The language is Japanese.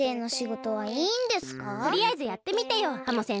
とりあえずやってみてよハモ先生。